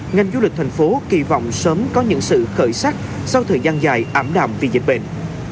ngành du lịch thành phố kỳ vọng sớm có những sự khởi sắc sau thời gian dài ảm đạm vì dịch bệnh